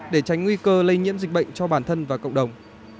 để tránh nguy cơ lây nhiễm dịch bệnh cho bản thân và cộng đồng